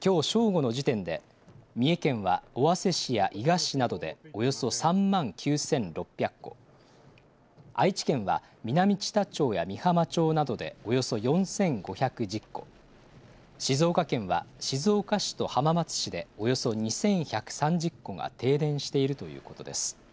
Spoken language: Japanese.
きょう正午の時点で、三重県は尾鷲市や伊賀市などでおよそ３万９６００戸、愛知県は南知多町や美浜町などでおよそ４５１０戸、静岡県は静岡市と浜松市でおよそ２１３０戸が停電しているということです。